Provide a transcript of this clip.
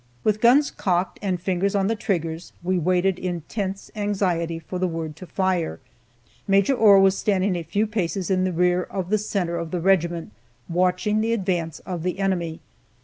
With guns cocked and fingers on the triggers, we waited in tense anxiety for the word to fire. Maj. Ohr was standing a few paces in the rear of the center of the regiment, watching the advance of the enemy.